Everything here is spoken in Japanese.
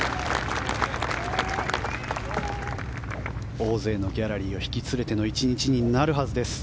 大勢のギャラリーを引き連れての１日になるはずです。